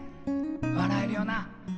笑えるよな。